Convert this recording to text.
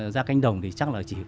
ra cánh đồng thì chắc là